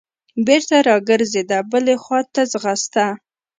بېرته راګرځېده بلې خوا ته ځغسته.